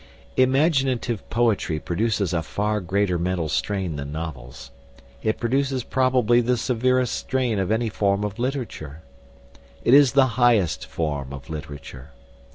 Imaginative poetry produces a far greater mental strain than novels. It produces probably the severest strain of any form of literature. It is the highest form of literature.